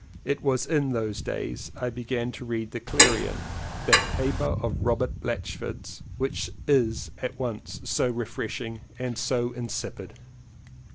It was in those days I began to read The Clarion^ that paper of Robert Blatch ford's which is at once so refreshing and so insipid.